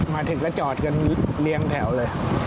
มาถึงก็จอดกันเรียงแถวเลย